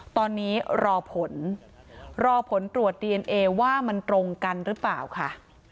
ตอนนี้รอผลรอผลตรวจดีเอนเอว่ามันตรงกันหรือเปล่าค่ะ